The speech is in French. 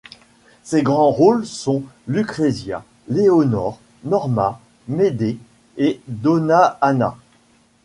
Ses grands rôles sont Lucrezia, Leonore, Norma, Médée, et Donna Anna.